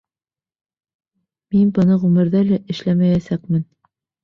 Мин быны ғүмерҙә лә эшләмәйәсәкмен.